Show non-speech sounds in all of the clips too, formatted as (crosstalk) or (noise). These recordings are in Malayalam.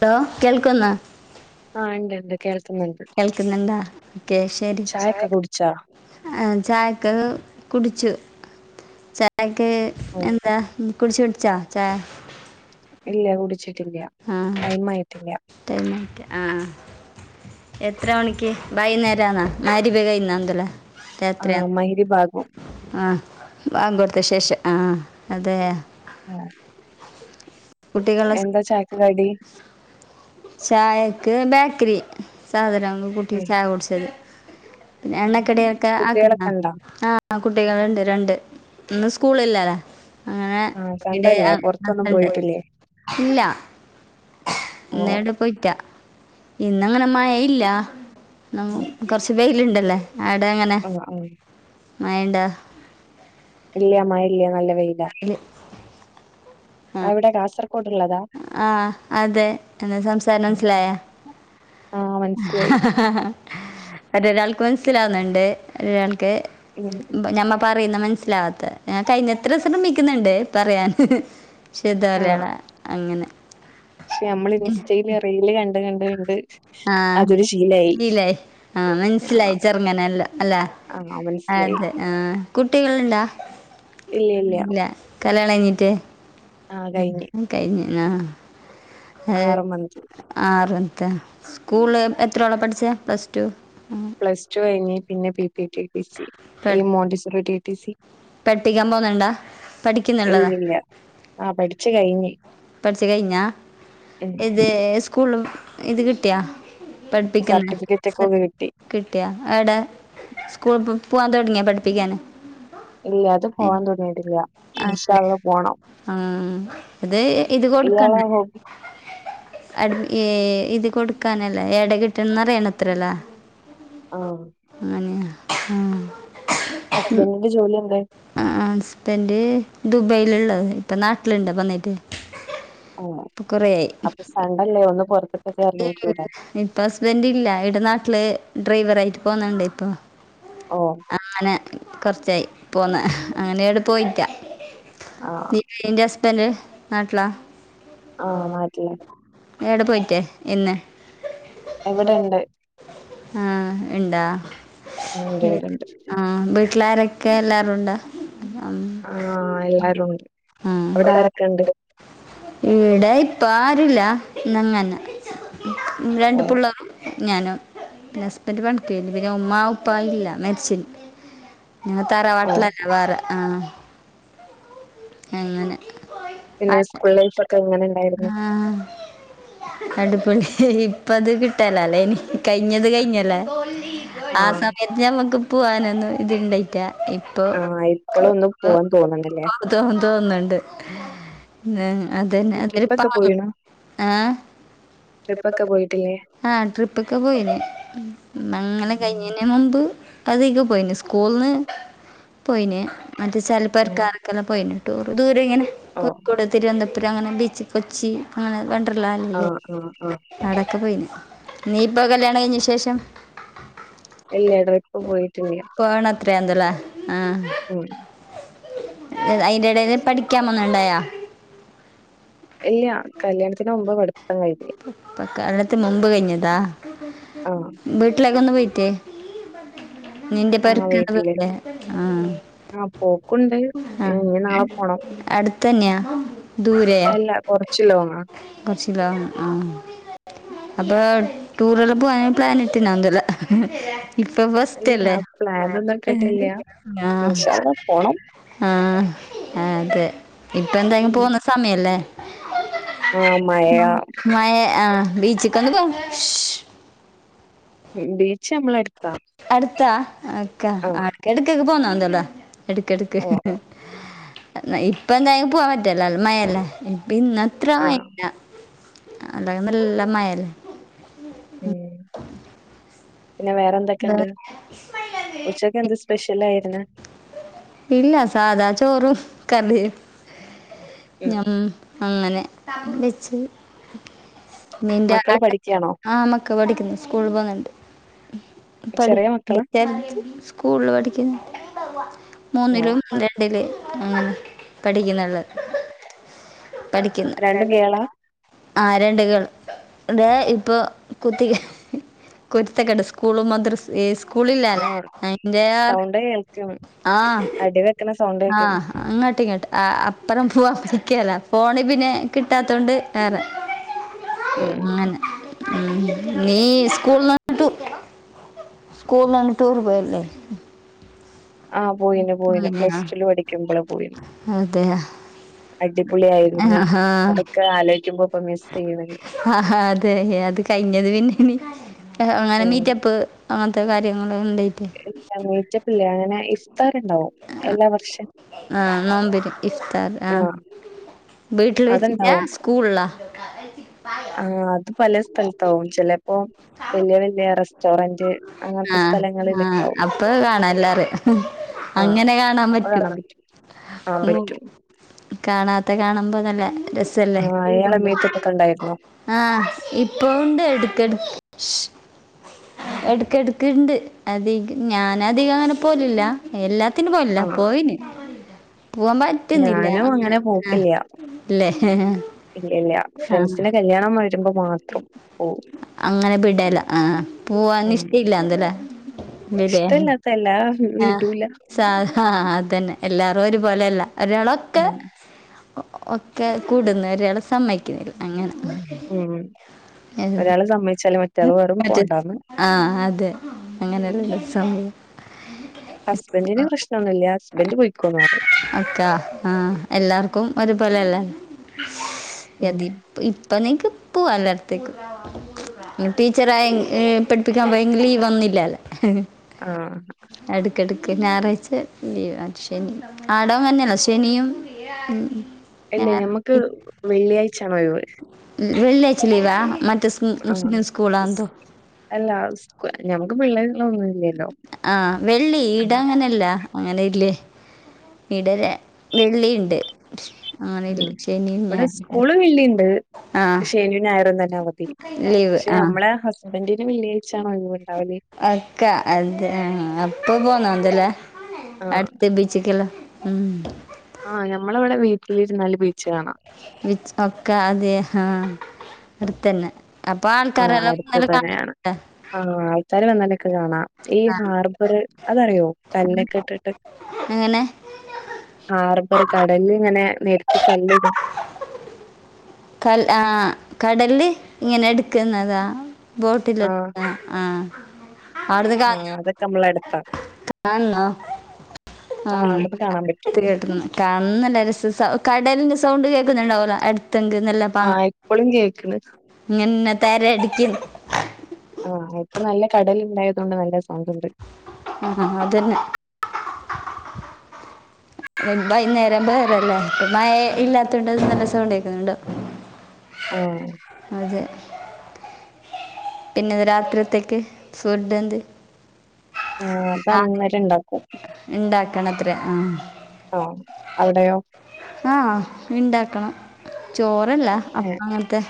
ഹലോ കേൾക്കുന്നാ. ആ ഉണ്ട് ഉണ്ട് കേൾക്കുന്നുണ്ട് കേൾക്കുന്നുണ്ടാ ഒക്കെ ശെരി ചായൊക്കെ. ആഹ് ചായ്ക്ക് കുടിച്ചു ചായക്ക് ഓ എന്താ ആഹ് കുടിച്ചുടിച്ചാ ചായ. ഇല്യ കുടിച്ചിട്ടില്യ ആ ടൈമായിട്ടില്യ ടൈം ആയിട്ട് ആഹ് എത്ര മണിക്ക് വൈകുന്നേരം ആന്നാ മഗ് രിബ് കഴിഞ്ഞാ (unintelligible) ആഹ് മഗ് രിബ് ആകും ആഹ് ബാങ്കൊടുത്ത ശേഷം ആഹ് അതെയാ ആഹ്. കുട്ടികളെ സ് ചായക്ക് കടി ചായക്ക് ബേക്കറി സാധാനൊന്നു കൂട്ടി ഉം ചായകുടിച്ചത് പിന്നെ ഉം ഉം എണ്ണക്കടിയൊക്കെ ആക്കുന്നാ കുട്ടികളൊക്കെ ഉണ്ടോ ആഹ് ആഹ് കുട്ടികള്ണ്ട് രണ്ട് ഇന്ന് സ്കൂളില്ലാല അങ്ങനെ ആ സൺഡേ അല്ലേ ഇവിടെ. പുറത്തൊന്നും (unintelligible) പോയിട്ടില്ലേ ഇല്ല ഓ ഇന്നിവിടെ പോയിറ്റാ ഇന്നങ്ങനെ മയയില്ല ഇന്നങ്ങു ഉം കൊറച്ച് വെയില്ണ്ടല്ല ആടെ എങ്ങനെ ആ ആ മയയുണ്ടോ ഇല്യ മയല്യ നല്ല വെയിലാ. (unintelligible) എവിടെ കാസർഗോഡുള്ളതാ ആഹ് ആഹ് അതെ എന്റെ സംസാരം ഉം. മനസ്സിലായാ. ആ മനസ്സിലായി ഒരൊരാൾക്ക് മനസിലാവുന്നുണ്ട് ഒരാൾക്ക്. ഉം ഞമ്മ പറയുന്നെ മനസ്സിലാവാത്തെ ഞാൻ കഴിയ്ന്നത്ര ശ്രമിക്ക്ന്ന്ണ്ട് പറയാൻ. ശുദ്ധ ആ മലയാളാ അങ്ങനെ പക്ഷെ നമ്മൾ ഇൻസ്റ്റയില് (unintelligible) (unintelligible) കണ്ട് കണ്ട് കണ്ട് ആഹ് അതൊരു ശീലായി (unintelligible) ആഹ് ആ മനസിലായി ചെറ്ങ്ങനെ എല്ലാം അല്ലേ ആ മനസ്സിലായി അതെ ആഹ്. കുട്ടികള്ണ്ടാ ഇല്ല കല്ല്യാണം കഴിഞ്ഞിട്ട്. ആ കഴിഞ്ഞ് കഴിഞ്ഞ് ആഹ് ആറ് മന്ത് അത് (unintelligible) സ്കൂളില് എത്രയോള പഠിച്ചേ പ്ലസ് ടു പ്ലസ് ടു കഴിഞ്ഞ് പിന്നെ P P T T C ഈ മോണ്ടിസോറി ടി ടി സി. ട്ടിക്കാൻ പോകുന്നുണ്ടാ പഠിക്കുന്ന്ള്ളതാ. (unintelligible) ആഹ് പഠിച്ച് കയിഞ്ഞ് പഠിച്ചു കഴിഞ്ഞാ ഇത് സ്കൂളും ഇത് കിട്ടിയാ പഠിപ്പിക്ക്ന്ന (unintelligible) സർട്ടിഫിക്കറ്റ് ഒക്കെ കിട്ടി (unintelligible) എടെ സ്കൂളിൽ പ് പൂവാൻ തുടങ്ങിയ പഠിപ്പിക്കാന് ഇല്ല അത് പോവാൻ തൊടങ്ങിയിട്ടില്ല ആണല്ലേ ഇന്ശാഅല്ലാഹ് പോണം. ആ ഇത് ഇത് ഇയാളെ കൊടുക്കണ്ടേ ഹോബി അടെ ഏഹ് ഇത് കൊടുക്കാനല്ലേ എടേ കിട്ടണംന്ന് അറിയാനത്രയില്ല ആഹ് അങ്ങനെയ ആഹ് ഹസ്ബൻന്റിന്റെ ജോലി എന്തായി ആഹ് ആഹ് ഹസ്ബന്റ് ദുബൈയിലുള്ളതാ ഇപ്പൊ നാട്ടിലുണ്ട് വന്നിട്ട് ആഹ് ഇപ്പം കുറേ ആയി അപ്പൊ സൻഡേല്ലേ ഒന്ന് പൊറത്ത് (unintelligible) ഇപ്പൊ ഹസ്ബൻഡ് ഇല്ല ഇവിടെ നാട്ടില് ഡ്രൈവർ ആയിട്ട് പോന്ന്ണ്ട് ഇപ്പൊ ഓഹ് ആണ്‌ കൊറച്ചായി പൊന്ന് അങ്ങനെ ഇങ്ങട് പോയിക്കാ ആ ആഹ് പി (unintelligible) ഹസ്ബൻഡ് നാട്ടിലാ ആഹ് നാട്ടില് എവിടെ പോയിറ്റേ ഇന്ന്.. ഇവിടെണ്ട് ആഹ ഇണ്ടാ. ഉണ്ട് ഉണ്ട് ഉണ്ട്. ആഹ് വീട്ടിലാരൊക്കെ എല്ലാരുണ്ടോ. ആഹ് എല്ലാരും ഉണ്ട് ആ അവിടെ ആരൊക്കെ ഉണ്ട്. ഇവിടെ ഇപ അരില്ല ഞങ്ങനെ. ഓ രണ്ട് പിള്ളഎം.. ഞാനും ഹസ്ബൻഡ് പണക്ക്ന്നു പിന്നെ ഉമ്മാ ഉപ്പ ഇല്ല മെരിച്ചന്. ഞാൻ ഓ തറവാട്ടിലല്ല വേറെ ആഹ് അങ്ങനെ ക്ക് പിന്നെ സ്കൂൾ ലൈഫ് ഒക്കെ എങ്ങനെ ഉണ്ടായിരുന്നു ആഹ് അടിപൊളി ഇപ്പ അത് കിട്ടലല്ലേ ഇനി കഴിഞ്ഞത് കഴിഞ്ഞല്ലേ. ആ ആഹ് സമയത്ത് നമ്മക്ക് പോവാനൊന്നും ഇത്ണ്ടായിറ്റാ.. ആഹ് ഇപ്പോള ഒന്നും പോവാൻ തോന്നണല്ലേ. തോ തോന്നുണ്ട്. ഉം അതന്നെ അത ഒരു ട്രിപ്പൊക്കെ പാവം പോയിണോ ആഹ. ട്രിപ്പൊക്കെ പോയിട്ടില്ലേ ആഹ് ട്രിപ്പൊക്കെ പോയിനി മംഗലം കഴിഞ്ഞതിന് മുമ്പ്. അതിക പോയിനി സ്കൂൾ പോയിന.. മറ്റേ ആഹ് ചിലപ്പോൾക്കാർക്കെല്ലാം പോയി ടൂർ ദൂരെ ഓഹ് ഇങ്ങനെകൊടുക്കോട്.. തിരുവനന്തപുരം അങ്ങനെ ബീച്ച് കൊച്ചി അങ്ങനെ വണ്ടർല്ല ആല്ലല്ല.. ആഹ് ആഹ് ആഹ് അവിക്ക പോയിന് നീപ്പോ കല്യാണം കഴിഞ്ഞ എന്ത് വിശേഷം.. ഇല്ലടോ ഇപ്പ പോയിട്ടില്ല. പോണത്ര എന്തല്ലേ ആഹ് ഉം. അതിന്റെ ഇടയിൽ പഠിക്കാമന്ന ഉണ്ടായോ.. ഇല്ലയാ കല്യാണത്തിന് മുമ്പ് പഠിത്തം കഴിഞ്ഞേ.. ഇപ്പൊ കല്യണത്ത് മുമ്പ് കഴിഞ്ഞതാ. ആഹ് വീട്ടിലൊക്കെ ഒന്ന് പോയിട്ടേ നിന്റെ ആഹ് പെരക്ക ഒന്നും വീട്ടില് പോയിലെ ആഹ്.. ആഹ് പോക്കുണ്ട് ഇ നാളെ പോണം. അടുത്തന്നെയാ ദൂരെ അല്ല കൊറച്ച് ലോങ്ങാ കുറച്ച് ലോങ്ങ് ആഹ് അപ്പൊ ടൂർല്ലാം പോവാന് പ്ലൻ ഇട്ടന ഒതല്ല ഇപ്പൊ ഇല്ല ഫസ്ല്ല്ലെ പ്ലാനൊന്നും ഇട്ടിട്ടില്ല ആഹ് ഇൻഷാ അള്ളാ പോണം ആഹ് അതെ ഇപ്പ എന്തായങ്കും ഉം പോകുന്ന സമയല്ലേ.. ആഹ് മയ.. ആഹ് ബീച്ചിക്കൊന്ന് പോം ബിച്ച്മ്മള്. അട്ത്താ, അക്ക ആഹ് അട്. കിടക്കെക്ക് പോന്നാ ന്തെതാ കെട്ക്കെടുക്ക്. ഓഹ് പ്പെ എന്തായാലും പോവാൻ പറ്റൂല, നല്ല മയല്ലേ പിന്നത്ര മയ് ആഹ് ല്ല ആണ്ടെക്കെ നല്ല മയെല്ലേ. ഏഹ്. പിന്നെ വേറെ എന്തൊക്കുണ്ട് വേറെ- ഉച്ചൊക്കെ എന്ത് സ്പെഷ്യൽ ആയിരുന്ന ഇല്ല സാധാ ചോറും കറിയും ഉം ഞം അങ്ങനെ വെച്ച് നിന്റെ മക്കള് പഠിക്കാണോ ആഹ് ക പഠിക്കുന്നു സ്കൂൾ പോന്നുണ്ട് ഠാ ചെറിയ മക്കളാ (unintelligible) സ്കൂളിൽ പഠിക്കുന്നെ മൂന്നിലും ഓഹ് രൺ ില് ം പഠിക്കുന്ന്ള്ള് പഠിക്കുന്ന് രണ്ടും രണ്ട് കേളാ പിള്ളേരാ? ആരണ്ടുകൾ ഇടെ ഇപ്പൊ കുത്തിക്ക കുരുത്തക്കെട് സ്കൂളും മദ്രസ് ഏ സ്കൂളില്ലാല ആഹ് അയിന്റെ ആ സൗണ്ട് കേൾക്കും ആഹ് അടി വെക്കണ സൗണ്ട് കേക്കും ആഹ് അങ്ങട്ട് ഇങ്ങട്ട് ആ അപ് (unintelligible) ഫോണ് പിന്നെ കിട്ടാത്തോണ്ട് വേറെ. ഉം അങ്ങനെ, ഉം നീ സ്കൂൾന്നട്ടൂ സ്കൂൾന്നാണ്ട് ടൂർപോയല്ലെ. ആഹ്, പോയീന്ന്, പോയിന്ന്, പിന്നെ പ്ലസ്ടുല് പടിക്കുമ്പളെ, പോയീന്ന്. അതെയ അടിപൊള്യായിരുന്നു ആഹ് അതൊക്കെ ആലോയിക്കുമ്പോ പ്പൊ മിസ്സെയ്യ്ണ്. ആഹ അതെ? അത് കഴിഞ്ഞത് പിന്നങ്ങനെ ഉം മീറ്റപ്പ് അങ്ങൻത്തെ കാര്യങ്ങളുണ്ടായിട്ട്. ഇല്ല മീറ്റ പ്പില്ല്യ അങ്ങനെ ഇഫ്താർണ്ടാവും. ആ ആഹ് നോമ്പിന് ഇഫ്താറ് ആഹ് വീട്ട്ല് വെച്ചിട്ട അത്ണ്ടാവും സ്കൂളില? ആഹ് അത് പല സ്ഥലത്താവും ചെലപ്പോ വല്യ വല്ല്യ റെസ്റ്റോറന്റ് അങ്ങനത്തെ ആഹ് സ്ഥലങ്ങളിലൊക്കെ ആഹ് ആവും അപ്പൊ കാണാ എല്ലാരെ. ആഹ് അങ്ങനെ കാണാം അപ്പൊ പറ്റും. കാണാൻ ആഹ് പറ്റും കാണാത്ത കാണുമ്പോ നല്ല രസല്ലേ? ആഹ് ഇയാളെ മീറ്റപ്പൊക്കെ ഇണ്ടായിരുന്നോ ആഹ് ഇപ്പഴുണ്ട് എടക്കട്ക്കാ. എടക്കടക്ക്ണ്ട് അധിക ഞാനധികങ്ങനെ പോകലില്ല എല്ലാ ത്തിന് പോകല്ല ആഹ് പോയിന്. പുവാംപറ്റുന്നില്ല അങ്ങനെ ആഹ് ല്ലേ ഹ് ഹ ഇല്ലല്ല്യാ ഫ്രണ്ട്സിന്റെ കല്യാണം വരുമ്പോ മാത്രം പോവും. അങ്ങനെ ബിടേല ആഹ് ഉം പൂവാനിഷ്ട ഇല്ലാന്ന്ല്ലെ. വിടെ ഇഷ്ടല്ലാത്ത എല്ലാ ആഹ് വിടൂല സാഹ് ആ അതന്നെ എല്ലാരും ഒരുപോലെല്ല ഒരാളോ ം ഒക്കെ കൂടുന്നോരാളെ സമ്മെയ്ക്കുന്നില്ല. അങ്ങനെ ഉം ഒരാള് സമ്മതിച്ചാല് മറ്റേയാള് പറയും (unintelligible) പോണ്ടാന്ന് ആഹ് അതെ അങ്ങനെയല്ല സമയം ന് പ്രശ്നൊന്നുല്ലാ ഹസ്ബന്റ് പൊയിക്കോന്നറയും. അതാ ആഹ് എല്ലാർക്കും ഒരുപോലെല്ലേ? ഉം യതിം ഇപ്പൊ നിക്ക് പുവാ എല്ലായിടത്തേക്കും. ടീച്ചറായെ അ് പഠിപ്പിക്കാൻ പോയെങ്കിലും യീ വന്നില്ലല്ലേ ഹ്ഹ് ആഹ് കെട്ക്ക ഞായറാഴ്ച ലീവാ ശനി ആടോം അങ്ങന്നെല്ലെ ശനിയും ഉം അല്ലേ ഞായറും ഞമ്മക്ക് വെള്ളിയാഴ്ണച്ചാണൊഴിവ്. വെള്ളിയാഴ്ച ലീവാ? മറ്റെ സ്- ആഹ് മുസ്ലിം സ് സ്കൂളാണെന്തോ അല്ല സ്കൂ ഞമ്മക്ക് പിള്ളേരുള്ളൊന്ന് ആഹ് വെള്ളി ഇടാങ്ങനെല്ല. അങ്ങനെയില്ലേ? ഇടെ വെള്ളിണ്ട്. അങ്ങനെയില്ല ശനീം ഞായറും. - വെള്ളീണ്ട്. ആഹ് ശനിയും ഞായറും തന്നെ അവധി പക്ഷെ ആ നമ്മള ഹസ്ബൻറിന് വിെള്ളിയാഴ്ച്ചാണ് ഒഴിവ് ഉണ്ടാവല് അക്കാ അത അപ്പൊ പോന്നോ എന്തല്ലേ ആഹ് അടുത്ത ബീച്ചക്കല്ലോ ഉം ആഹ് ഞമ്മളവിടെ വീട്ടിലിരുന്നാല് ബീച്ച് കാണാം ബീച്ച് ഒക്കെ അതെ ആഹ് അടുത്തെന്നെ അപ്പ ആഹ് ആൾക്കാരെല്ലം അടുത്ത് തന്നെയാണ്. കാണുന്നുണ്ടാ ആഹ് ആൾക്കാര് വന്നാലൊക്കെ കാണാം ഈ ഹാർബർ അതറിയോ കല്ലൊക്കെ ഇട്ടിട്ട് എങ്ങനെ ഹാർബർ കടൽല്ങ്ങനെ നെരത്തി കല്ലിടും കൽ ആഹ് കടൽല് ഇങ്ങനെട്ക്കുന്നതാ ബോട്ടിൽ ആഹ് ആഹ് ആടുന് ആഹ് അതൊക്കെ നമ്മളെ അടുത്താ. കാണോ ആഹ് അവിടുന്ന് കാണാൻ പറ്റും. ഇത്തിരിയാട്ട്ന്ന് കാണാൻ നല്ല രസം കടലിന്റെ സൗണ്ട് കേൾക്കുന്നുണ്ടാവല്ലോ അടുത്തെങ്ക് ന്നല്ലോ ആഹ് ഇപ്പളും കേക്ക്‌ണ്ട് ഇങ്ങൻന്നെ തെര അടിക്കും ആഹ് ഇപ്പൊ നല്ല കടലുണ്ടായത് കൊണ്ട് നല്ല സൗണ്ട് ഉണ്ട് ആഹ് അതെന്നെ ബൈകുന്നേരം പോരല്ലേപ്പ മഴ ഇല്ലാത്തോണ്ട് നല്ല സൗണ്ടേക്ക്‌ന്നുണ്ട് ആഹ് അതെ പിന്നെ ഇന്ന് രാത്രിക്കത്തേക്ക് ഫുഡ് എന്ത് അത് ആഹ് അന്നേരം ഇണ്ടാക്കും. ണ്ടാക്കണത്രെ ആഹ് ആഹ് അവിടെയോ ആഹ് ഇണ്ടാക്കണം ചോറല്ല അപ്പ അങ്ങൻത്തെ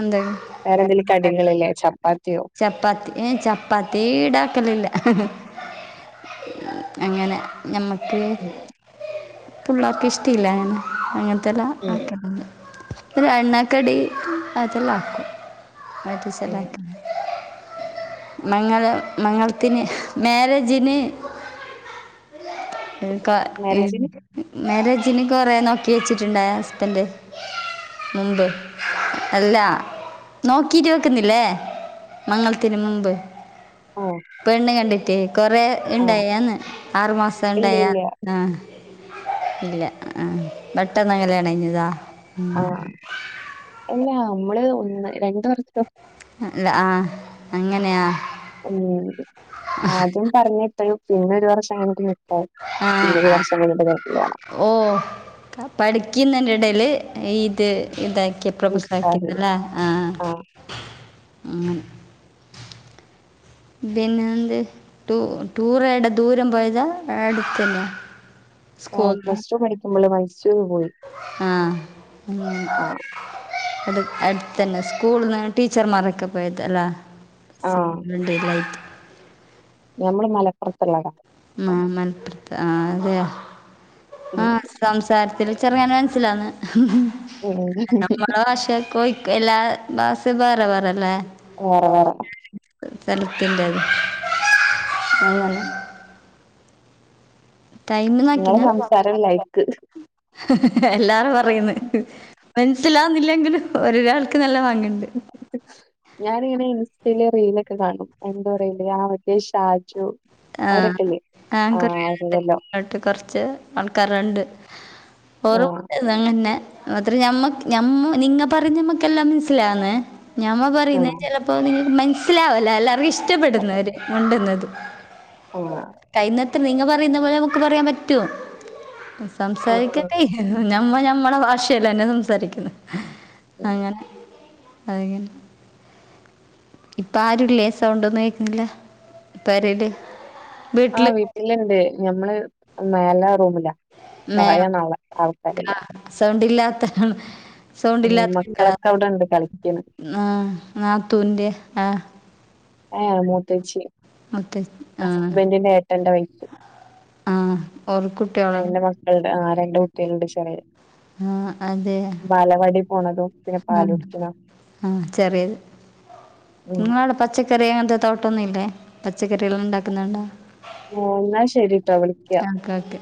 എന്തെങ്കി, വേറെന്തെലും കടികളില്ലേ, ചപ്പാത്തിയോ ചപ്പാത്തി ഏഹ് ചപ്പാത്തി ഈടാക്കലില്ല അങ്ങനെ ഞമ്മക്ക് ഉം പുള്ളാർക്ക് ഇഷ്ടല്ല അങ്ങനെ അങ്ങൻ തെല്ലാം ഉം ആക്കണം. പിന്നെണ്ണക്കടി അതെല്ലാം ആക്കും ഉം (unintelligible) മംഗല മംഗലത്തിന് മാരേജിന് (unintelligible) കാ എ മാരേജിന് മാരേജ് ജിന് കൊറേ നോക്കി വെച്ചിട്ടുണ്ടായ ഹസ്ബെൻഡ് മുമ്പ് അല്ലാ നോക്കിട്ട് വെക്കുന്നില്ലേ മംഗലത്തിന് മുമ്പ് ആഹ് പെണ്ണ് കണ്ടിട്ടെയ് കൊറെ ആഹ് ഇണ്ടായന്ന് ആറുമാസം ഇല്ല ഇണ്ടായ ഇല്ല ആഹ് ഇല്ല ആഹ് പെട്ടെന്ന് കല്യാണയ്ഞ്ഞതാ ആഹ് എല്ലാ നമ്മള് ഒന്ന് രണ്ട് വർഷം അല്ല ആഹ് അങ്ങനെയാ ഉം ആദ്യം പറഞ്ഞിട്ട്. പിന്നൊരു വർഷം കഴിഞ്ഞിട്ട് നിക്കാഹ് ആഹ് പിന്നെ ഒരു ആഹ് വർഷം കഴിഞ്ഞിട്ട് കല്യാണം ഓഹ് പഠിക്കുന്നെന്റെടേല് ഇത് ഇതാക്കിയ നിക്കാഹ് പ്രഫസ്‌ലാക്കിക്ക്ല്ലേ. ആഹ് ആഹ് പിന്നെ എന്ത് ടൂ ടൂറെട ദൂരം പോയതാ അട്ത്തന്ന്യ. ആഹ് പ്ലസ് ടു പഠിക്കുമ്പള് മൈസൂര് പോയി. ആഹ് ഏം ആഹ് അത് അട്ത്തന്നെ സ്കൂള്ന്ന് ടീച്ചർമാരൊക്കെ പോയത ല്ലാ ആഹ് (unintelligible) ! ! ! ! ! ! ! ! മാ! ! ! ! ! ! ആഹ് അതെയോ ഉം സംസാര്ത്ത്ല് ചെർങ്ങനെ മൻസ്സിലാകുന്ന് ഉം നമ്മള ഭാഷൊക്കൊയി കൈല്ലാ ഭാഷ ബേറ വേറല്ലേ വേറെ വേറെ സലത്തിൻ്റെത് അങ്ങനെ ടൈം നിങ്ങളെ നോക്കിനാ സംസാരം ലൈക്ക് എല്ലാരും പറയുന്ന് മൻസിലാവുന്നില്ലെങ്കിലും ഒരാൾക്ക് നല്ല പാങ്ങ്ണ്ട് ഞാനിങ്ങനെ ഇൻസ്റ്റയിലെ റീലൊക്കെ കാണും എന്തോറയല് ആ മറ്റേ ഷാജു ആഹ് അവരൊക്കെല്ലേ ആഹ് ആങ്കറാട്ട് അവരതല്ലോ ആട്ട് കൊർച്ച് ആൾക്കാരണ്ട് ഹോ ഹാഹ് ഇതങ്ങന്നെ മാത്രേ ഞമ്മക്ക് ഞമ്മ നിങ്ങ പറഞ്ഞമ്മക്കെല്ലാം മെൻസ്സിലാവ്ന്ന് ഞാമ്മ പറയുന്നത് ആഹ് ചെലപ്പോ നിങ്ങക്ക് മെൻസ്സിലാവൂല്ല എല്ലാർക്കും ഇഷ്ടപ്പെടുന്ന ഒര് കൊണ്ടന്നത് ഓഹ് ആഹ് കയ്യുന്നത്ര നിങ്ങ പറയുന്ന പോല നമുക്ക് പറയാൻ പറ്റോ ആഹ് സംസാരിക്കട്ടെയ് ഞമ്മ ഞമ്മളെ ഭാഷയല്ലെന്നെ സംസാരിക്കുന്നെ ആഹ് അങ്ങനെ അങ്ങനെ (unintelligible) ഇപ്പ ആരൂല്ലേ സൗണ്ടൊന്നും കേക്ക്ണില്ല. പെരേല് ആഹ് വീട്ടില്ണ്ട് ഞമ്മള് മേലെ റൂമ് മേം ക സൗണ്ടില്ലാത്താണ് സൗണ്ട് ആഹ് ഇല്ലാത്ത മക്കളൊക്കെ (unintelligible) അവിടെണ്ട് കളിക്ക്ണ് ണ്ട ആഹ് നാത്തൂന്റെ ആഹ് ഏഹ് ഹേ മൂത്തച്ചി മത്തെ ആഹ് ഹസ്ബന്റിന്റെ ഏട്ടന്റെ വൈഫ് ആഹ് ഓർ കുട്ട്യോളെ ണ്ടാൾണ്ട്, ആഹ് രണ്ട് കുട്ട്യൾണ്ട് ചെറിയെ ആഹ് അതെ. ബാലവാടി പോണതും പിന്നെ ആഹ് പാലുടിക്കണം ആഹ് ചെറിയത് ഉം ഇങ്ങളടെ പച്ചക്കറി അങ്ങൻത്തെ തോട്ടൊന്നും ഇല്ലേ? പച്ചക്കറികളെല്ലം ണ്ടാ ക്ക്ന്നണ്ടാ മോ ന്നാ ശെരിട്ടോ വിളിയ്ക്കാ ക്കാ ക്കെ